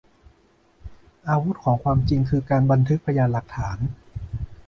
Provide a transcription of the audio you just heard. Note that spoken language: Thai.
อาวุธของความจริงคือการบันทึกพยานหลักฐาน